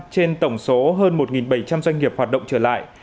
trên tổng số hơn một bảy trăm linh doanh nghiệp hoạt động trở lại